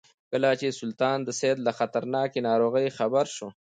کله چې سلطان د سید له خطرناکې ناروغۍ خبر شو.